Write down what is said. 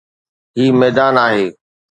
هي ميدان آهي.